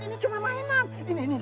ini cuma mainan